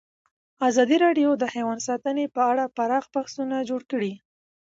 ازادي راډیو د حیوان ساتنه په اړه پراخ بحثونه جوړ کړي.